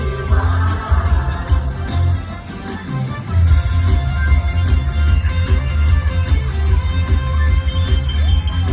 สวัสดีครับ